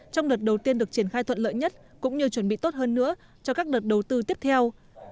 trong đợt đầu tiên được triển khai thuận lợi nhất cũng như chuẩn bị tốt hơn nữa cho các đợt đầu tư tiếp theo